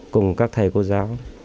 cùng các thầy cô giáo